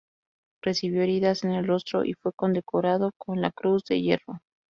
Recibió heridas en el rostro y fue condecorado con la Cruz de Hierro.